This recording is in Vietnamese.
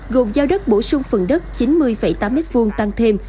gồm giao đất bổ sung phần đất chín mươi tám m hai tăng thêm